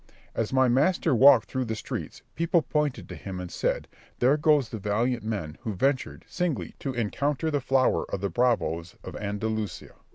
As my master walked through the streets, people pointed to him and said, "There goes the valiant man who ventured, singly, to encounter the flower of the bravoes of Andalusia."